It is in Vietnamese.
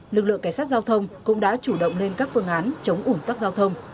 lực lượng kẻ sát giao thông cũng đã chủ động lên các phương án chống uốn tắc giao thông